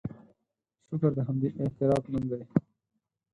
شکر د همدې اعتراف نوم دی.